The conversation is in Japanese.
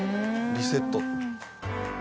リセット。